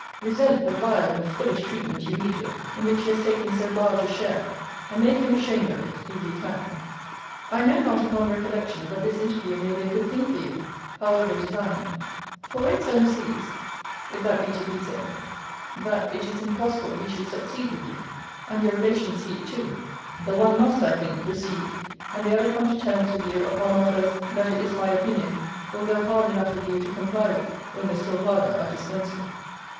Resent the vile and foolish treatment you meet with, in which he has taken so large a share, and make him ashamed of it, if you can. I know not, upon recollection, but this interview may be a good thing for you, however designed. For when Solmes sees (if that be to be so) that it is impossible he should succeed with you; and your relations see it too; the one must, I think, recede, and the other come to terms with you, upon offers, that it is my opinion, will go hard enough with you to comply with; when the still harder are dispensed with.